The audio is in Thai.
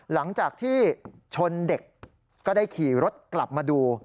หลังจากที่ชนเด็กก็ได้ขี่รถกลับมาดู